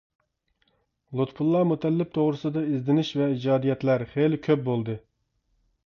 لۇتپۇللا مۇتەللىپ توغرىسىدا ئىزدىنىش ۋە ئىجادىيەتلەر خېلى كۆپ بولدى.